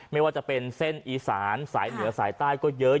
ไม่ว่าจะเป็นเส้นอีสานสายเหนือสายใต้ก็เยอะ